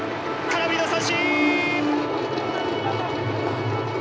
空振りの三振！」。